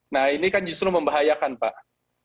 nah ini kan justru membahayakan pak